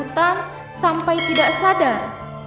mas kamu dimana sih mas